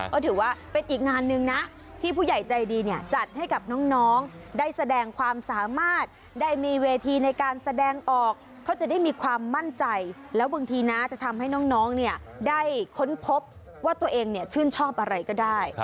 ก็ถือว่าเป็นอีกงานหนึ่งนะที่ผู้ใหญ่ใจดีเนี่ยจัดให้กับน้องได้แสดงความสามารถได้มีเวทีในการแสดงออกเขาจะได้มีความมั่นใจแล้วบางทีนะจะทำให้น้องเนี่ยได้ค้นพบว่าตัวเองชื่นชอบอะไรก็ได้